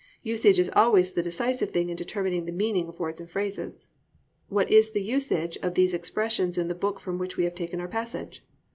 Usage is always the decisive thing in determining the meaning of words and phrases. What is the usage of these expressions in the book from which we have taken our passage?